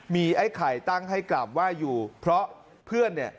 มีไอ้ไข่ตั้งให้กราบไหว้อยู่เพราะเพื่อนเนี่ย